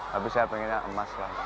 tapi saya pengennya emas lah